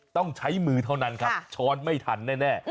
ต้องใช้มือเท่านั้นครับช้อนไม่ทันแน่